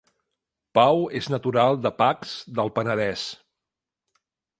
Pau és natural de Pacs del Penedès